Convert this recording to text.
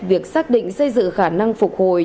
việc xác định xây dựng khả năng phục hồi